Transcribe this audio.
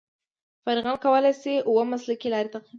فارغان کولای شي اوه مسلکي لارې تعقیب کړي.